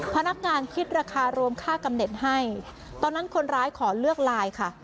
พนักงานคิดราคารวมค่ากำเน็ตให้ตอนนั้นคนร้ายขอเลือกไลน์ค่ะ